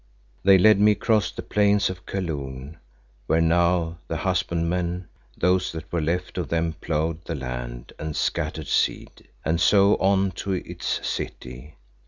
They led me across the plains of Kaloon, where now the husbandmen, those that were left of them, ploughed the land and scattered seed, and so on to its city.